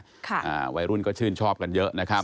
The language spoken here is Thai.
ค่ะอ่าวัยรุ่นก็ชื่นชอบกันเยอะนะครับ